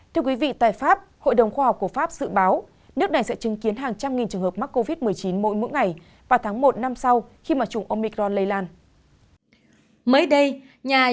thưa quý vị tại pháp hội đồng khoa học của pháp dự báo nước này sẽ chứng kiến hàng trăm nghìn trường hợp mắc covid một mươi chín mỗi ngày vào tháng một năm sau khi mà chủng omicron lây lan